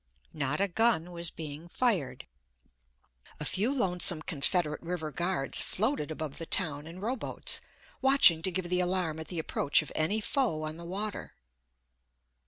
Not a gun was being fired. A few lonesome Confederate river guards floated above the town in rowboats watching to give the alarm at the approach of any foe on the water.